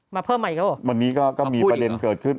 มาเพิ่มใหม่อีกหรอวันนี้ก็มีประเด็นเกิดขึ้น